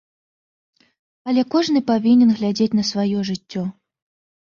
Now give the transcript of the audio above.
Але кожны павінен глядзець на сваё жыццё.